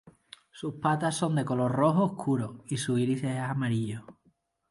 Sus patas son de color rojo oscuro, y su iris es amarillo.